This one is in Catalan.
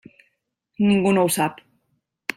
Ningú no ho sap.